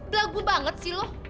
delagu banget sih lo